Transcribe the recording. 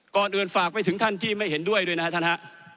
ก่อนอื่นฝากไปถึงท่านที่ไม่เห็นด้วยด้วยนะครับท่านฮะ